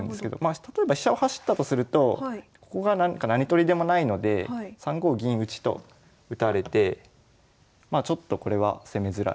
例えば飛車を走ったとするとここが何取りでもないので３五銀打と打たれてまあちょっとこれは攻めづらい。